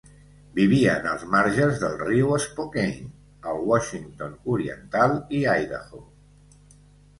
Vivien als marges del riu Spokane, al Washington Oriental i Idaho.